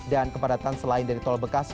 dan kepadatan selain dari tol bekas